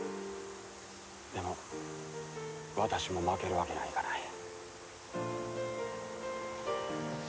でも私も負けるわけにはいかない。